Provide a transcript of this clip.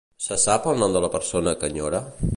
Se sap el nom de la persona que enyora?